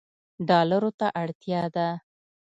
ډالرو ته اړتیا ده